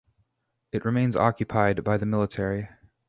It remains occupied by the military.